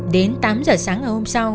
đến tám giờ sáng ngày hôm sau